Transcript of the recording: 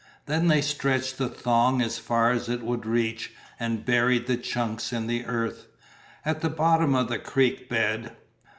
Then they stretched the thong as far as it would reach, and buried the chunks in the earth, at the bottom of the creek bed.